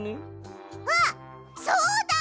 あっそうだ！